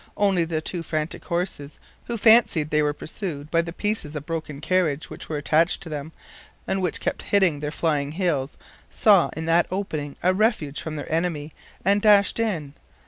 Only the two frantic horses, who fancied they were pursued by the pieces of broken carriage which were attached to them, and which kept hitting their flying heels, saw in that opening a refuge from their enemy, and dashed in.